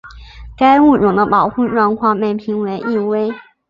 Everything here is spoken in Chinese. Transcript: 该物种的保护状况被评为易危。